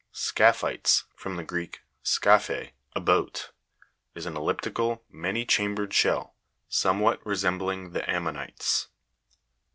Scaphi'ics (from the Greek, scaphe, a boat) is an eliptical, many cham bered shell, somewhat resembling the ammonites.